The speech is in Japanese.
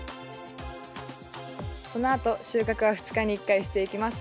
そのあと収穫は２日に１回していきます。